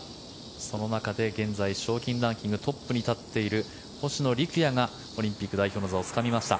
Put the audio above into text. その中で現在賞金ランキングトップに立っている星野陸也がオリンピック代表の座をつかみました。